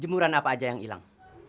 jemuran apa aja yang hilang